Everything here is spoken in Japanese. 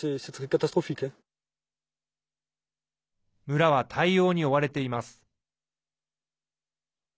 村は対応に追われています。